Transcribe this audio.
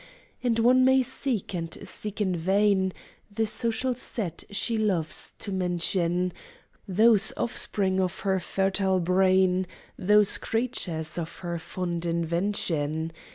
And one may seek, and seek in vain. The social set she loves to mention, Those offspring of her fertile brain, Those creatures of her fond invention.